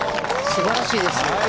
すばらしいです。